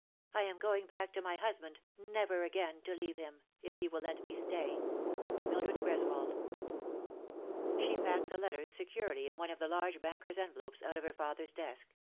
I am going back to my husband, never again to leave him, if he will let me stay. " MILDRED GKESWOLD." She packed the letters securely in one of the large banker's envelopes out of her father's desk.